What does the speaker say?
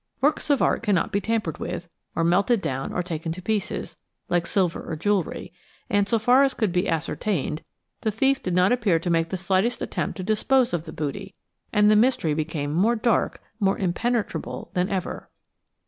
Works of art cannot be tampered with, or melted down or taken to pieces, like silver or jewellery, and, so far as could be ascertained, the thief did not appear to make the slightest attempt to dispose of the booty, and the mystery became more dark, more impenetrable than ever.